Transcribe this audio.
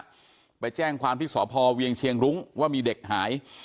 ไปแจ้งความที่สพเวียงเชียงรุ้งว่ามีเด็กหาย